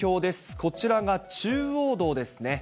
こちらが中央道ですね。